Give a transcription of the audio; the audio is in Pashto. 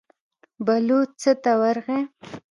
بلوڅ څا ته ورغی.